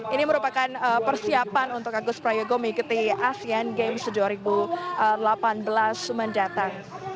ini merupakan persiapan untuk agus prayogo mengikuti asean games dua ribu delapan belas mendatang